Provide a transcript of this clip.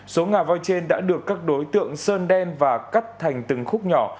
số ngà voi trên đã được các đối tượng sơn đen và cắt thành từng khúc nhỏ